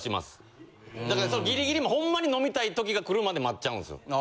だからギリギリほんまに飲みたい時が来るまで待っちゃうんですよ。